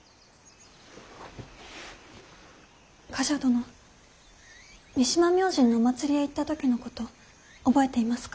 冠者殿三島明神のお祭りへ行った時のこと覚えていますか？